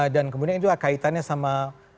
dan kemudian itu kaitannya sama